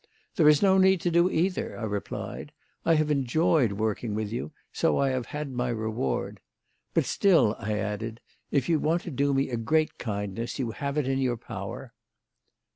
"There is no need to do either," I replied. "I have enjoyed working with you, so I have had my reward. But still," I added, "if you want to do me a great kindness, you have it in your power."